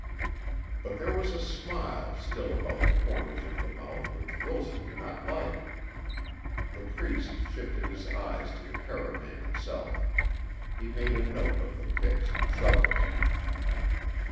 But there was a smile still about the corners of the mouth which Wilson did not like. The Priest shifted his eyes to the caravan itself. He made a note of the picks and shovels.